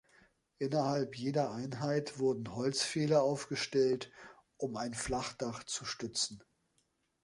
Innerhalb jeder Einheit wurden Holzpfähle aufgestellt, um ein Flachdach zu stützen.